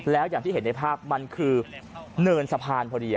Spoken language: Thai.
แล้วอย่างที่เห็นในภาพมันคือเนินสะพานพอดี